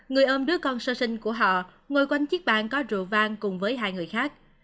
người ôm đứa con sơ sinh của họ ngồi quanh chiếc bàn có rượu vang cùng với hai người khác